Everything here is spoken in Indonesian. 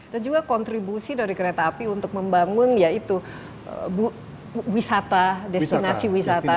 dan juga kontribusi dari kereta api untuk membangun yaitu wisata destinasi wisata